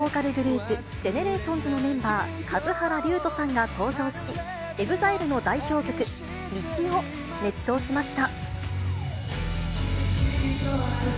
生徒たちの門出を祝うため、ダンスボーカルグループ、ＧＥＮＥＲＡＴＩＯＮＳのメンバー、数原龍友さんが登場し、ＥＸＩＬＥの代表曲、道を熱唱しました。